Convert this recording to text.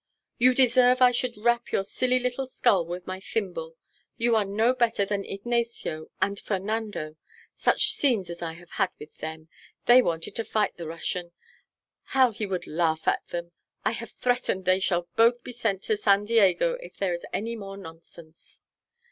"You deserve I should rap your silly little skull with my thimble. You are no better than Ignacio and Fernando. Such scenes as I have had with them! They wanted to fight the Russian! How he would laugh at them! I have threatened they shall both be sent to San Diego if there is any more nonsense."